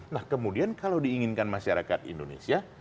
nah kemudian kalau diinginkan masyarakat indonesia